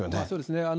そうですね。